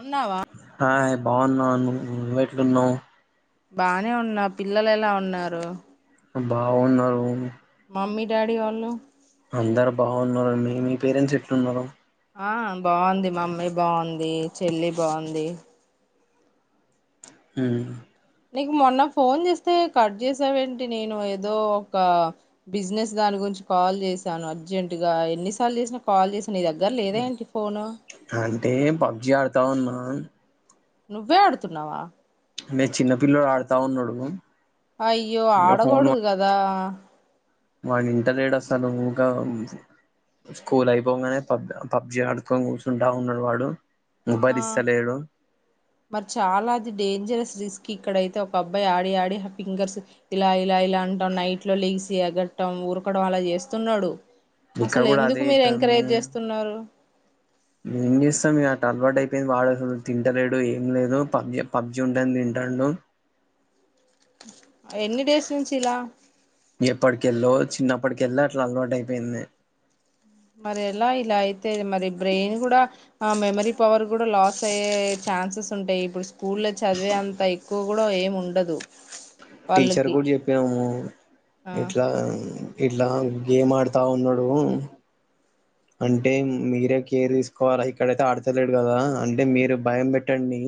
ఉన్నావా ఆయ్ బాగున్నావా నువ్వు నువ్వు ఎట్లు ఉన్నావ్ బానే ఉన్నా పిల్లలు ఎలా ఉన్నారు [inaudible] బాగున్నారు మమ్మీ డాడీ వాళ్ళు అందరు బాగున్నారండి మీ పేరెంట్స్ ఎట్లు ఉన్నారు ఆ బావుంది మమ్మీ బావుంది చెల్లి బావుంది హ నీకు మొన్న ఫోన్ చేస్తే కట్ చేసావ్ఎంటి నేను ఏదో ఒక బిజినెస్ దాని గురించి కాల్ చేసాను అర్జెంట్గా ఎన్నిసార్లు చేసినా కాల్ చేస్ అంటే పబ్జి ఆడతా ఉన్నా అ నువ్వే అడ్ తున్నావా మీ చిన్న పిల్లోడు ఆడుతా ఉన్నాడు గ అయ్యో ఆడకూడుతుదదా వాడ్ని ఇంటర్ లేడు అసలు ఊకా స్కూల్ అయిపోంగానే పబ్ పబ్జి ఆడుకొని కూర్చుంటా ఉన్నాడు వాడు మొబైల్ ఆ ఇస్తలేడు మరి చాలా అది డేంజరస్ జిస్కి ఇక్కడ అయితే ఒక అబ్బాయి ఆడి ఆడి ఫింగర్స్ ఇలా ఇలా ఇలా అంటున్నాయి నైట్లో లేగిసి ఎగర్ టం ఊర్కడం అలా చేస్తున్నాడు ఇక్కడ అసల్ కూడా అదే ఎందుకు మీరు ఎంకరేజ్ చేస్తున్నారు ఎంచేస్తాంమ్ మి అట్ట అలవాట్ అయిపోయింది వాడు అసల్ తింటలేడు ఏం లేదు పబ్జి పబ్జి ఉంటేనే తింటాండు ఎన్ని డేస్ నుంచి ఇలా ఇప్పటికెళ్ళో చిన్నప్పటి కెళ్ళో అట్లా అలవాటు అయిపోయింది మర ఎలా ఇలా ఆయిత్ తే [inaudible] మరి బ్రెయిన్ గుడా ఆ మెమరీ పవర్ కూడా లాస్ అయ్యే ఛాన్సెస్ ఉంటాయి ఇప్పుడు స్కూల్ లో చదివే అంతా ఐ క్కువు గుడా ఏమ్ ఉండదు టీచర్ వాళ్ళకి గుడ్ చెప్పాము ఆ ఇట్లా [inaudible] ఇట్లా గేమ్ ఆడుతా ఉన్నాడు అంటే మీరే కేర్ తీసుకోవాలా ఇక్కడ అయితే ఆడతలేడు కదా అంటే మీరు భయం పెట్టండి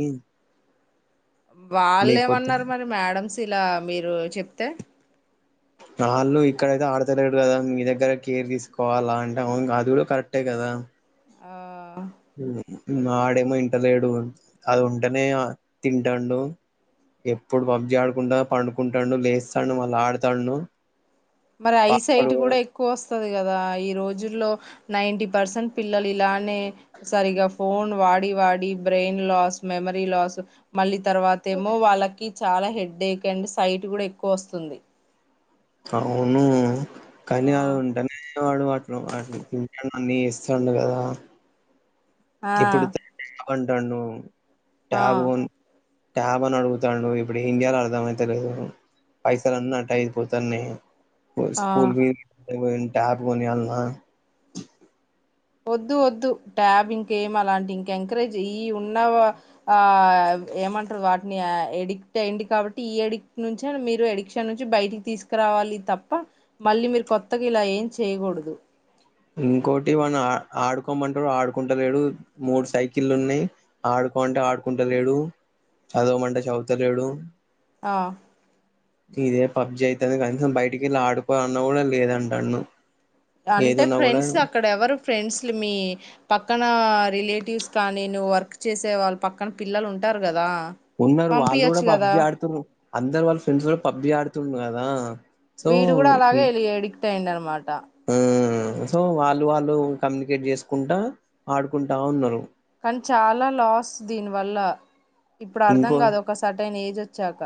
వాళ్ళే లేకపోతే ఏమన్నారు మరి మేడంమ్స్ ఇలా మీరు చెప్తే ఆళ్ళు ఇక్కడ అయితే ఆడతలేడు కదా మీ దగ్గర కేర్ తీసుకోవాలా అంటే అవును కాదు చూడు కరెక్టే కదా ఆ ఆడేమో ఇంటలేడు అది ఉంటనే ఆ తింటాండు ఎప్పుడు పబ్జి ఆడుకుంటా పండుకుంటాండు లేస్తాను మళ్ళ ఆడతాన్ను మర ఐస్ సైట్ కూడా ఎక్కువ వస్తు ఉత్తదికదా ఈ రోజుల్లో నైటీ పర్సెంట్ పిల్ ల్లల్ ఇలానే సరిగా ఫోన్ వాడి వాడి బ్రెయిన్ లాస్ మెమరీ లాస్ మళ్ళీ తర్వాత ఏమో వాళ్ళకి చాలా హెడ్డేక్ అండ్ సైట్ కూడా ఎక్కువ వస్తుంది అవునూ కానీ ఆ అది ఉంటేనే వాడు వాటిలు అన్నీ ఇస్తాడు కదా ఆ వంటను ఆ టాబోన్ ట్యాబ్ అని అడుగుతాడు ఇప్పుడు ఏంచెయ్యాలో అర్థంమయితలేదు పైసలన్నీ అట్ట అయిపోతానాయ్ ఓల్ ఆ స్కూల్ వి ఇప్పుడు నేను టాబ్ కొన్నియాల్న వద్దు వద్దు ట్యాబ్ ఇంకేం అలాంటి ఇంక ఎంకరేజ్ ఈ ఉన్న ఆ ఏమంటారు వాటిని ఎడిక్ట్ అయ్యిండు కాబట్టి ఈ ఎడిక్ట్ నుంచే మీరు ఎడిక్షన్ నుంచి బయటికి తీసుకురావాలి తప్ప మళ్ళీ మీరు కొత్తగా ఇలా ఏం చేయకూడదు ఇంకోటి వాన్న ఆడుకోమంటారు ఆడుకుంటలేడు మూడు సైకిళ్ల్ ఉన్నాయి ఆడుకోమంటే ఆడుకుంటలేడు చదవమంటే చదువుతలేడు ఆ ఇదే పబ్జి అయితుంది కనీసం బయటికి వెళ్ళి ఆడుకోవాలన్నా కూడా లేదంటన్ను అంటే ఫ్రెండ్స్ అక్కడ ఎవరు ఫ్రెండ్స్లు మీ పక్కన రిలేటివ్స్ కానీ నువ్వు వర్క్ చేసే వాళ్ళు పక్కన పిల్లలు ఉంటారు కదా ఉన్నారు వాళ్ళు కూడా పంపియచ్చు కదా పబ్జి ఆడుతుర్రు అందరు వాళ్ళ ఫ్రెండ్స్ కూడా పబ్జి ఆడుతుండు కదా దా వీడు కూడా అలాగే ఎలి ఎడిక్ట్ అయింది అనమాట ఆ సో వాళ్ళు వాళ్ళు కమ్యూనికేట్ చేసుకుంటా ఆడుకుంటా ఉన్నారు కానీ చాలా లాస్ దీని వల్ల ఇప్పుడు అర్ధం ఇంకో కాదు ఒక సర్టైన్ ఏజ్ వచ్చాక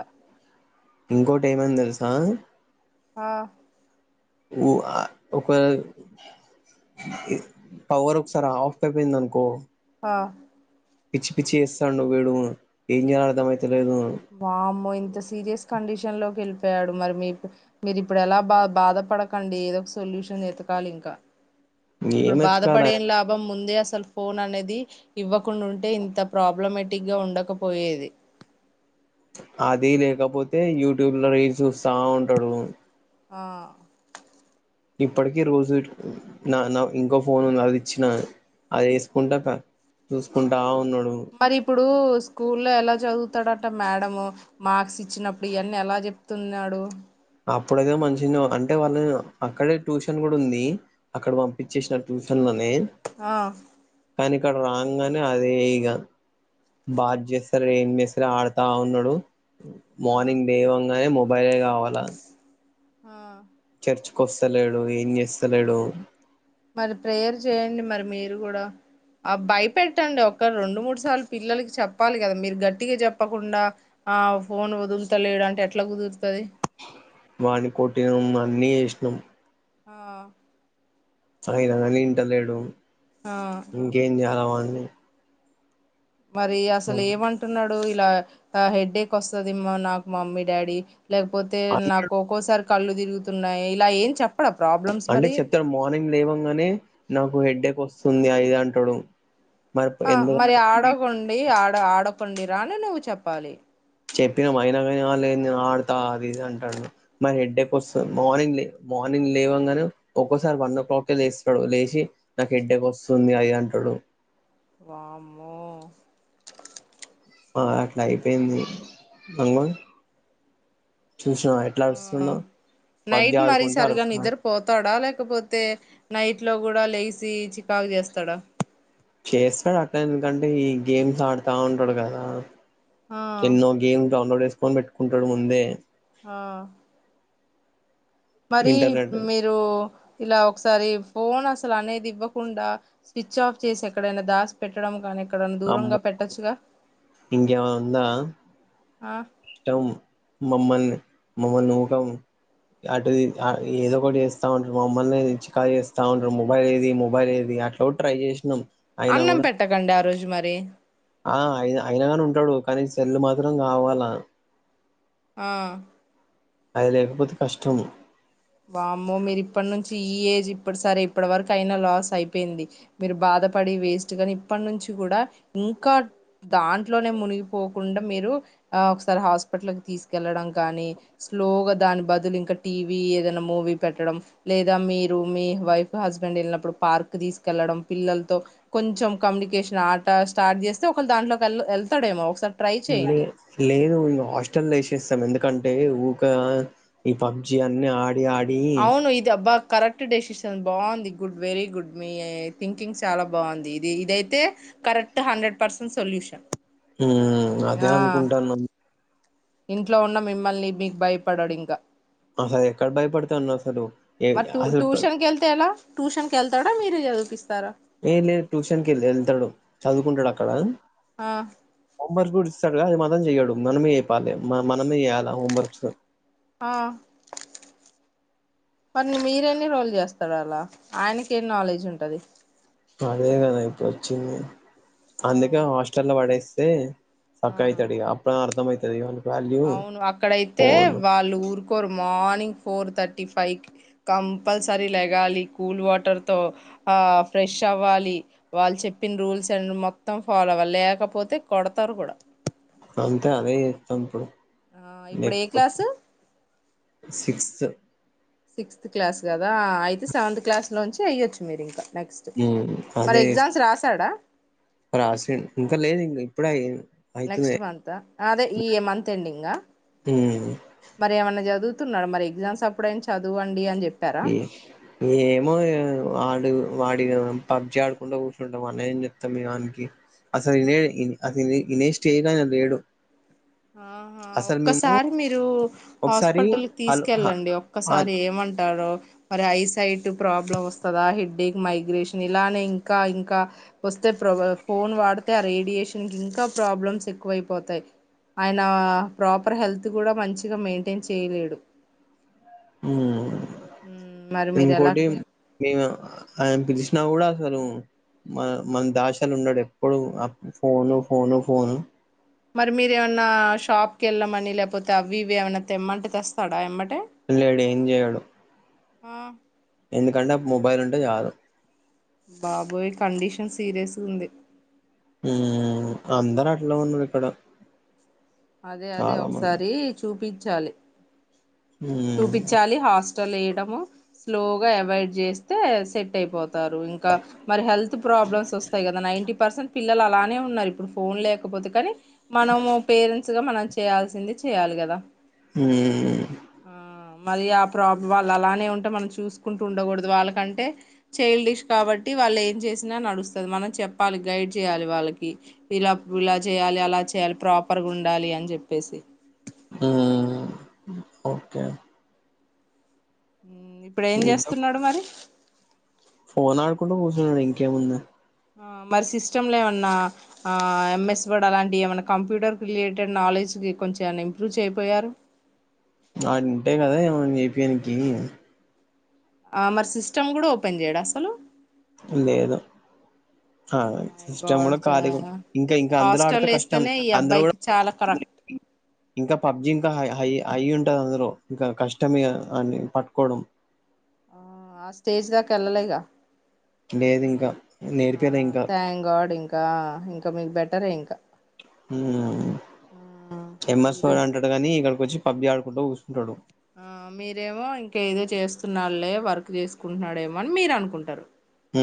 ఇంకోటి ఏమైంది తెలుసా ఆ ఉ ఆ ఒక పవర్ ఒకసార ఆఫ్ అయిపోయింది అనుకో ఆ పిచ్చి పిచ్చి చేస్తాడు వీడుగుణ ఏం చేయ అర్థం అయితే వామ్మో ఇంత సీరియస్ కండిషన్ లోకి వెళ్ళిపోయ్ ప్పయాడు మరి మీ మీరు ఇప్పుడు ఎలా బా బాధపడకండి ఏదో ఒక సొల్యూషన్ ఎతకాలి ఇంకా ఇప్పుడు ఏం ఎతకాలే బాధపడెం లాభం ముందే అసలు ఫోన్ అనేది ఇవ్వకుండా ఉంటే ఇంత ప్రాబ్లమటిక్ గా ఉండకపోయేది అది లేకపోతే యూట్యూబ్ లో రీల్ చూస్తా ఉంటాడు ఆ ఇప్పటికి రోజు నా నా ఇంకో ఫోన్ ఉంది అది ఇచ్చినా అది వేసుకుంటా చూసుకుంటా ఉన్నాడు మరి ఇప్పుడు స్కూల్లో ఎలా చదువు తడట మేడము మార్క్స్ ఇచ్చినప్పుడు ఇవన్నీ ఎలా చెప్ తున్నాడు అప్పుడదో మంచిగా అంటే వాళ్ళ అక్కడే ట్యూషన్ కూడా ఉంది అక్కడ పంపించేసిన ట్యూషన్ లోనే ఆ కానీ ఇక్కడ రాంగానే అదే ఇగా బాత్ చేస్తారు ఏం చేస్తారు ఆడతా ఉన్నాడు ఆ మార్నింగ్ లేవాంగానే ము అబ్బాయే కావాలా ఆ లంచ్ కొస్తలేడు ఏం చేస్తలేడు మరి ప్రేయర్ చేయండి మరి మీరు కూడా ఆ భయపెట్టండి ఒక్క రెండు మూడు సార్లు పిల్లలకి చెప్పాలి కదా మీరు గట్టిగా చెప్పకుండా ఆ ఫోన్ వదులుతలేడు అంటే ఎట్లా కుదురుతది వాని కొట్టినం అన్నీ చేసినాం ఆ అయినా కాని ఇంట లేడు ఆ ఇంకేం చెయ్యాలా వ అ మరి అసలు ఏమంటున్నాడు ఎప్పుడు ఇలా ఆ హెడ్డేక్ వస్తది మ నాకు మమ్మీ డాడీ లేకపోతే అ నాకు ఒక్కోసారి కళ్ళు తిరుగుతున్నాయి ఇలా ఏం చెప్పడా ప్రాబ్లమ్స్ అంటే మరి చెప్తాడు మార్నింగ్ లేవంగానే నాకు హెడ్డెక్ వస్తుంది అది ఇది అంటాడు మరి ఆ ఎందుకు మరి ఆడగొండి ఆ ఆడకొండిరా అని నువ్వు చెప్పాలి చెప్పినాము అయినాకైనా ఆ లేదు నేను ఆడతా అది అంటాండు మరి హెడ్డెక్ వస్తది మార్నింగ్ లేవ్ మార్నింగ్ లేవంగానే ఒక్కోసారి వన్ ఓ క్లాకే లేస్తాడు లేషి నాకు హెడ్డెక్ వస్తుంది అది ఇది అంటడు వామ్మో ఆ అట్లా అయిపోయింది బంగ ఆ పబ్జి నైట్ మరి ఆడుకుంటే సరిగా అరుస్తున్నా నిద్రా పోతాడా లేకపోతే నైట్ లో కూడా లెగిసి చికాకు చేస్తాడా చేస్తాడు అట్లా ఎందుకంటే ఈ గేమ్స్ ఆడుతా ఉంటాడు కదా ఆ కెన్నో గేమ్ డౌన్లోడ్ చేస్ ఫోన్ పెట్టుకుంటాడు ముందే ఆ మరి ఇంటర్నెట్ మీరు ఇలా ఒకసారి ఫోన్ అసలు అనేది ఇవ్వకుండా స్విచ్ ఆఫ్ చేసి ఎక్కడైనా దాసి పెట్టడం కాని అమ్మో ఇంకేమన్నా ఉందా ఆ ఇష్టం మమ్మల్ని మమ్మల్ని మాత్రం అటుది ఆ ఏదో ఒకటి చేస్తా ఉంటాడు మమ్మల్ని చికాకు చేస్తా ఉంటాడు మొబైల్ ఏది మొబైల్ ఏది అట్లా కూడా ట్రై చేసినాం అయినా అన్నం కూడా పెట్టకండి ఆ రోజ్ జు మరి ఆ అయి అయినగాని ఉంటాడు కానీ సెల్లు మాత్రం గావాలా ఆ అది లేకపోతే కష్టం వామ్మో మీరు ఇప్పటి నుంచి ఈ ఏజ్ ఇప్పటిసరే ఇప్పటి వరకు అయినా లాస్ అయిపోయింది మీరు బాధపడి వేస్ట్ గాని ఇప్పటి నుంచి కూడా ఇంకా దాంట్లోనే మునిగిపోకుండా మీరు ఒకసారి హాస్పిటల్కి తీసుకెళ్ళడం కాని స్లోగా దాని బదులు ఇంకా టీవీ ఏద్ న్న మూవీ పెట్టడం లేదా మీరు మీ వైఫ్ హస్బెండ్ వెళ్ళినప్పుడు పార్క్ తీసుకెళ్లడం పిల్లలతో కొంచెం కమ్యూనికేషన్ అట్ట స్టార్ట్ చేస్తే ఒకాల దాంట్లోకి వెళ్తడేమో ఒకసారి ట్రై లే చేయండి లేదు ఇంగ హాస్టలో ఏషేస్తాం ఎందు టే ఊకా ఈ పబ్జి అన్ని ఆడి ఆడి అవును ఇది అబ్బా కరెక్ట్ డెసిషన్ బాగుంది గుడ్ వెరీ గుడ్ మీ థింకింగ్ చాలా బాగుంది ఇది ఇదైతే కరెక్ట్ హండ్రెడ్ పర్సెంట్ సొల్యూషన్ హూమ్ అదే ఆ అనుకుంటాన్నా ఇంట్లో ఉన్న మిమ్మల్ని మీకు భయపడాడు ఇంకా అసలు ఎక్కడ భయపడతాను అసలు ఏ మరి టూ అసలు ప- ట్యూషన్ కెళ్తే ఎలా ట్యూషన్ కెళ్తాడా మీరు ఎల్కిస్ ఏ లేదు ట్యూషన్ కి వెళ్తాడు చదువుకుంటాడు అక్కడ ఆ హోం వర్క్ కూడా ఇస్తాడు కదా అది మాత్రం జేయడు మనమే చెప్పాలి మనమే చేయ్యాల హోంవర్క్స్ ఆ మరిని మీరెన్ని రోల్ చేస్తరు అలా ఆయనకి ఏం నాలెడ్జ్ ఉంటది అదే కదా ఇప్పుడు వచ్చింది ఆ అందుకే హాస్టల్ లో పడేస్తే అదే సక్కగా ఆ అయితడిగా అప్పు అమ్ అయిది ఇవను అవును అక్కడయితే వాళ్ళు ఊరుకోరు మార్నింగ్ ఫోర్ థర్టీ ఫైవ్కి కంపల్సరీ లెగాలి కూల్ వాటర్తో ఆ ఫ్రెష్ అవ్వాలి వాళ్ళు చెప్పిన రూల్స్ అ మొత్తం ఫాలో అవ్వాలి లేకపోతే కొడతారు కూడా అంతే అదే చేస్తాం ఇప్పుడు ఆ ఇప్పుడు ఏ లేకపోతే క్లాసు సిక్స్త్ సిక్స్త్ క్లాస్ కదా అయితే సెవెంత్ క్లాస్ లోంచి ఏయ్యొచ్చు మీరు ఇంకా నెక్స్ట్ హ్మ్మ్ మరి అదే ఎగ్జామ్స్ రాసాడా రాసి ఇంకా లేదు ఇం ఇప్పుడే అయితుంది నెక్స్ట్ మంత అదే ఈ మంత్ ఎండింగ్ ఉమ్ మరి ఏమన్నా చదువు న్నా మరి ఎగ్ామ్స్ అప్పుడై చదువండి అని చెప్పి ఏమో ఆడు వాడి ఇగ పబ్జి ఆడుకుంటడా కూర్చుంటాం వానికి ఏం చెప్తాం ఇగ వానికి అసలు ఇనే అసలు ఈనే స్టేజ్లో లేడు ఆహా అసలు మేము ఒక్కసారి మీరు ఒకసారి హాస్పిటల్కిి హలో హ తీసుకెళ్ళండి అన్ ఒక్కసారి ఏమంటారో మరి ఐ సైట్ ప్రాబ్లమ్ వస్తుందా హెడ్డేక్ మైగ్రేషన్ ఇలానే ఇం ఇంకా ఇంకా వస్తే ప్ర ఫోన్ వాడితే ఆ రేడియేషన్ కి ఇంకా ప్రాబ్లమ్స్ ఎక్కువైపోతాయి ఆయన ప్రాపర్ హెల్త్ కూడా మంచిగా మెయింటైన్ చేయలేడు ఉ మ్మ్, మరి మీరు ఎలా ఇంకోటి మేమా ఆయని పిలిశి చెప్పినా కూడా అసలు మన మన దాషలు ఉండడు ఎప్పుడు ఫోను ఫోను ఫోను మరి మీరు ఏమైన్నా షాప్ కి వెళ్ళమని లేకపోతే అవి ఇవి ఏమైనా తెమ్మంటే తెస్తాడా ఏమంటే పిల్లోడు ఏం చేయడు ఆ ఎందుకంటే మొబైల్ ఉంటే చాలు బాబోయ్ కండిషన్ సీరియస్ ఉంది ఉ అందరు అట్లా ఉన్నారు ఇక్కడ అదే అదే చాలా మంది ఒకసారి చూపి చాలి మ్మ్ చూపించాలి హాస్పి లేయడము స్లోగా అవాయిడ్ చేస్తే సెట్ అయిపో తారు ఇంకా మరి హెల్త్ ప్రాబ్లమ్స్ వస్తాయి కదా నైంటీ పర్సెంట్ పిల్లలు అలానే ఉన్నారు ఇప్పుడు ఫోన్ లేకపోతే కానీ మనం పేరెంట్స్ గా మనం చేయాల్సింది చేయాలి కదా హ ఆ మరి ఆ ప్రాబ్ వాళ్ళు అలానే ఉంటే మనం చూసుకుంటూ ఉండకూడదు వాళ్ళకంటే చైల్డ్ డిష్ కాబట్టి వాళ్ళు ఏం చేసినా నడుస్తుంది మనం చెప్పాలి గైడ్ చేయాలి వాళ్ళకి ఇలా ఇలా చేయ్యాలి అలా చేయాలి ప్రాపర్గా ఉండాలి అని చెప్పేసి మ్మ్ ఓకే ఇప్పుడు ఏం చూద్దాం చేస్తున్నాడు మరి మ్మ్ ఇంకేముంది హ మరి సిస్టమ్ంలో ఏమన్నా ఆ ఎంఎస్ వర్డ్ అలాంటివి ఏమైన్నా కంప్యూటర్కి రిలేటెడ్ నాలెడ్జ్కి కొంచెంమనా ఇంప్రూవ్ చెయ్యకపోయారు వాళ్లు వింటే కదా మనం చేపియనికి ఆ మరి సిస్టమ్ కూడా ఓపెన్ చేయడా అసలు లేదు హ మై సిస్టమ్ గాడ్ కూడా కాలి ఉ చాలా ఇంకా ఇంకా అందరు ఆడితే హాస్టల్ కష్టం వేస్తేనే ఈ అందులో కూడా అబ్బాయికి చాలా కరెక్ట్ ఇంకా పబ్జి ఇంకాై హై అయి ఉంటది అందులో ఇంకా కష్టమే అన్ని పట్టుకోవడం ఆ ఆ స్టేజ్ దాకా వెళ్లలేదు గా లేదు ఇంకా నేర్పియలే ఆ ఇంకా థ్యాం గార్డ్ ఇంకా ఇంకా మీకు బెటరే ఇంకా మ్మ్ ఆ ఎంఎస్ మీరు వర్డ్ అంటాడు కానీ ఏడకి వచ్చి పబ్జి ఆడుకుంటూ కుస్ టాడు ఆ మీరేమో ఇంక ఏదో చేస్తున్నాళ్లే వర్క్ చేసుకుంటున్నాడేమో అని మీరు అనుకుంటారు హ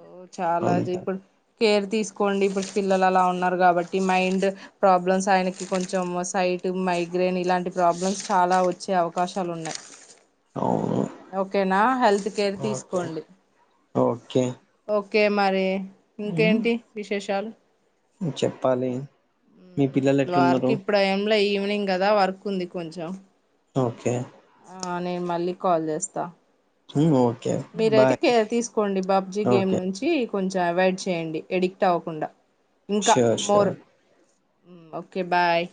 ఓ చాలజిప్పు కేర్ తీసుకోండి ఇప్పుడు పిల్లలు అలా ఉన్నారు కాబట్టి మైండ్ ప్రాబ్లమ్స్ ఆయనకి కొంచెం సైట్ మైగ్రైన్ ఇలాంటి ప్రాబ్లమ్స్ చాలా వచ్చే అవకాశాలు ఉన్నాయి అవును ఓకేనా హెల్త్ కేర్ తీసుకోండి కే కె మరి ఇంకేంటి విశేషాలు? చెప్పాలి మీ ఉమ్ పిల్లలు ఎట్లున్నారు ద్వారికిప్పుడ ఏంలె య్యు ఈవినింగ్ గదా వర్క్ ఉంది కొంచెం ఓకే ఆ నేన్ మళ్ళీ కాల్ చేస్తా ఉమ్, ఓకే మీరయితే బాయ్ కె తీసుకోండి బబ్జీ గేమ్ ఓకే నుంచి కొంచెం అవాయిడ్ చేయండి ఎడిక్ట్ అవ్కుండా ఇంకా ష్యూర్ మోర్ ష్యూర్ మ్ okay bye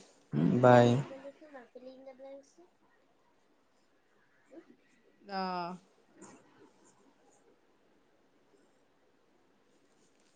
bye fill in the blanks ఆ